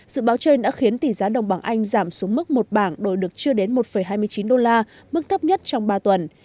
dự báo trên đã khiến tỷ giá đồng bảng anh giảm xuống mức một bảng đổi được chưa đến một hai mươi chín đô la mức thấp nhất trong ba tuần